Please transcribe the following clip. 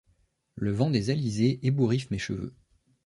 Le vent des alizés ébouriffe mes cheveux.